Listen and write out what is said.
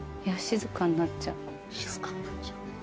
静かになっちゃう。